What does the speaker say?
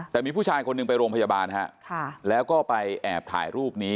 แต่มีผู้ชายคนหนึ่งไปโรงพยาบาลฮะแล้วก็ไปแอบถ่ายรูปนี้